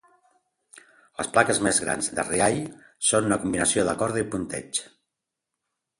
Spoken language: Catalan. Les plaques més grans de Ryall són una combinació de corda i punteig.